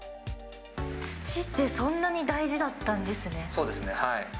土って、そんなに大事だったそうですね。